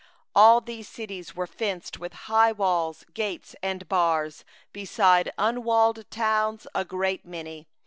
5All these were fortified cities, with high walls, gates, and bars; beside the unwalled towns a great many.